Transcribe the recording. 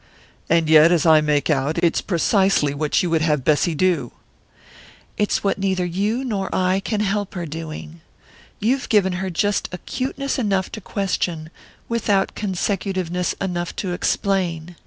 "And yet, as I make out, it's precisely what you would have Bessy do!" "It's what neither you nor I can help her doing. You've given her just acuteness enough to question, without consecutiveness enough to explain.